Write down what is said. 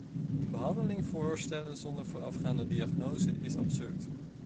Een behandeling voorstellen zonder voorafgaande diagnose is absurd.